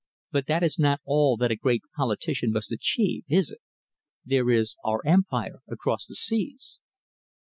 But that is not all that a great politician must achieve, is it? There is our Empire across the seas."